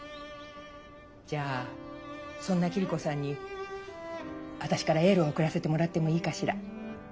じゃあそんな桐子さんに私からエールを送らせてもらってもいいかしら？